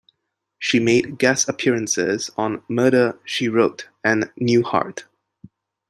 She made guest appearances on "Murder, She Wrote" and "Newhart".